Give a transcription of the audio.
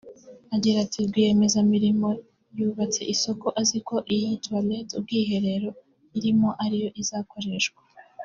Agira ati “rwiyemezamirimo yubatse isoko aziko iyi toilette (ubwiherero) irimo ariyo izakoreshwa